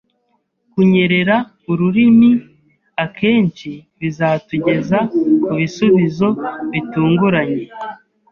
Kunyerera ururimi akenshi bizatugeza kubisubizo bitunguranye.